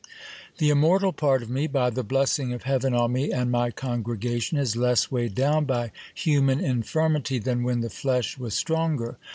The immortal part of me, by the blessing of heaven on me and my congregation, is less weighed down by human infirmity than when the flesh was stronger.